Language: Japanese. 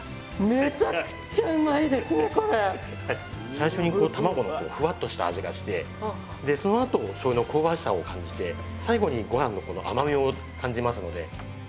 最初にこう卵のこうフワッとした味がしてでそのあとしょうゆの香ばしさを感じて最後にごはんのこの甘みを感じますので。